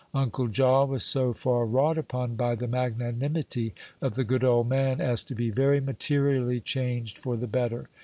Uncle Jaw was so far wrought upon by the magnanimity of the good old man as to be very materially changed for the better.